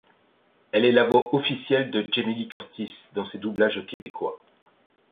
Elle est la voix officielle de Jamie Lee Curtis dans ses doublages québécois.